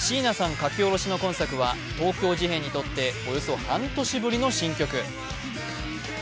書き下ろしの今作は東京事変にとっておよそ半年ぶりの新曲。